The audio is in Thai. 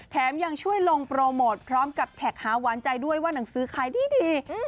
ยังช่วยลงโปรโมทพร้อมกับแท็กหาหวานใจด้วยว่าหนังสือขายดี